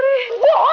ini dirampas aku